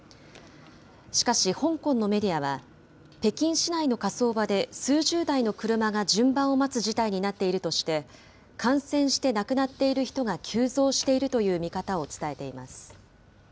しかし、香港のメディアは、北京市内の火葬場で、数十台の車が順番を待つ事態になっているとして、感染して亡くなっている人が急増しているという見方を伝えています。